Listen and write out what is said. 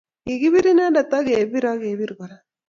Kikibir inendet akebir akebir Kora